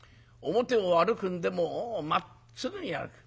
表を歩くんでもまっすぐに歩く。